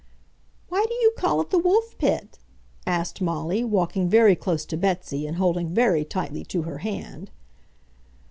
"Why do you call it the Wolf Pit?" asked Molly, walking very close to Betsy and holding very tightly to her hand.